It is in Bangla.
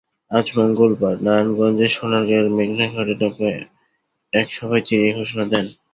আজ মঙ্গলবার নারায়ণগঞ্জের সোনারগাঁয়ের মেঘনাঘাট এলাকায় এক সভায় তিনি এ ঘোষণা দেন।